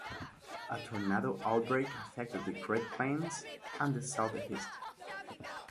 A tornado outbreak affected the Great Plains and the Southeast.